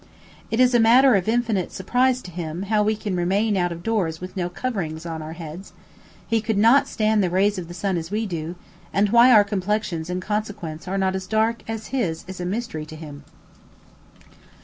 It is a matter of infinite surprise to him how we can remain out of doors with no covering to our heads, he could not stand the rays of the sun as we do; and why our complexions in consequence are not as dark as his is a mystery to him.